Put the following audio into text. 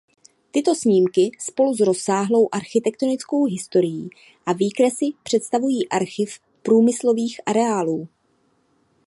Tyto snímky spolu s rozsáhlou architektonickou historií a výkresy představují archiv průmyslových areálů.